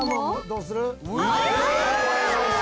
どうする？